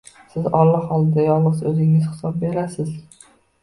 Siz Alloh oldida yolg‘iz o‘zingiz hisob berasiz.